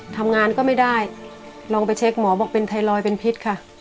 ทำงานก็ไม่ได้ลองไปเช็คหมอบอกเป็นไทรอยด์เป็นพิษค่ะ